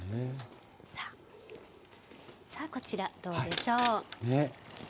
さあこちらどうでしょう。